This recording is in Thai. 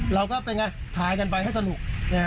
เราก็ขายกันไปให้สนุก